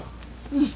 うん。